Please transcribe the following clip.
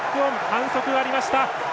反則がありました。